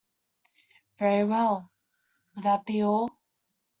Very well, will that be all?